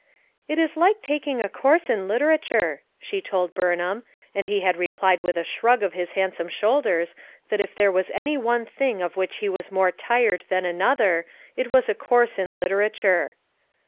"It is like taking a course in literature," she told Bumham, and he had replied with a shrug of his handsome shoulders that if there was any one thing of which he was more J 20 FOUR MOTHERS AT CHAUTAUQUA tired than another it was a course in litera ture.